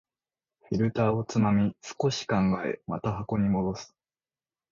フィルターをつまみ、少し考え、また箱に戻す